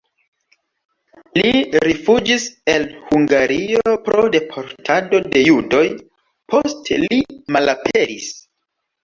Li rifuĝis el Hungario pro deportado de judoj, poste li malaperis.